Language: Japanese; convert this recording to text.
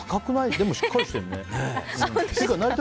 でもしっかりしてるね。